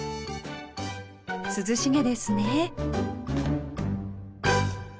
涼しげですね